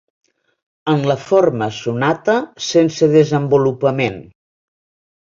En la forma sonata sense desenvolupament.